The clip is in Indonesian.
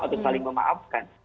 atau saling memaafkan